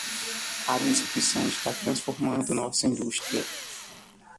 A disrupção está transformando nossa indústria.